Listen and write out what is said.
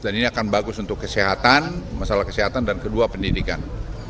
dan ini akan bagus untuk kesehatan masalah kesehatan dan kedua pendidikan